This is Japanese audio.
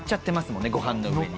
もんご飯の上に。